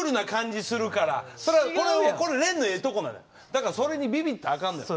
だからそれにビビったらあかんのよ。